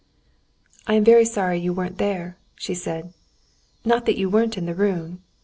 "I am very sorry you weren't there," she said. "Not that you weren't in the room ...